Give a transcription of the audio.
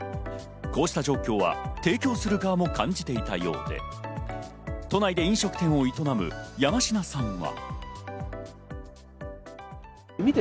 こうした状況は提供する側も感じていたようで、都内で飲食店を営む山科さんは。